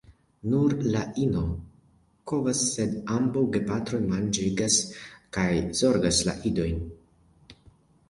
Nur la ino kovas, sed ambaŭ gepatroj manĝigas kaj zorgas la idojn.